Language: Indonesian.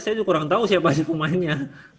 saya juga kurang tahu siapa sih pemainnya